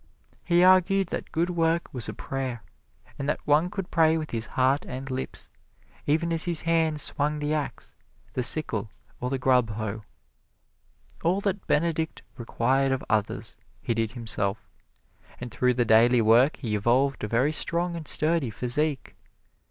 He argued that good work was a prayer, and that one could pray with his heart and lips, even as his hands swung the ax, the sickle or the grub hoe. All that Benedict required of others, he did himself, and through the daily work he evolved a very strong and sturdy physique.